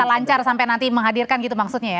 lancar sampai nanti menghadirkan gitu maksudnya ya